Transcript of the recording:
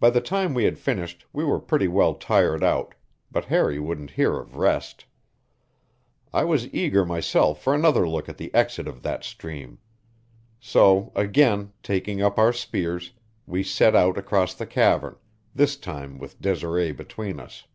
By the time we had finished we were pretty well tired out, but Harry wouldn't hear of rest. I was eager myself for another look at the exit of that stream. So, again taking up our spears, we set out across the cavern, this time with Desiree between us.